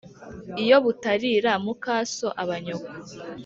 Iyo butarira mukaso aba nyoko.